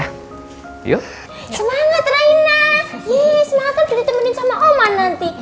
semangat reina semangat untuk ditemani sama oma nanti